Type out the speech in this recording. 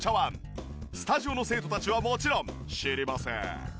スタジオの生徒たちはもちろん知りません。